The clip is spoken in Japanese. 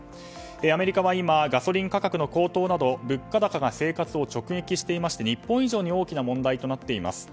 アメリカは今ガソリン価格の高騰など物価高が生活を直撃していまして日本以上に大きな問題になっています。